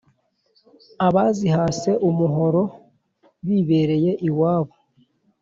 abazihase umuhoro bibereye iwabo